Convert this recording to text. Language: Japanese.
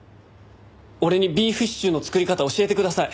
俺にビーフシチューの作り方教えてください！